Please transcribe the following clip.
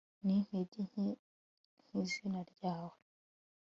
nintege nke nkizina ryawe